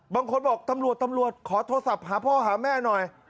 บางคนบอกตำรวจตำรวจขอโทรศัพท์หาพ่อหาแม่หน่อย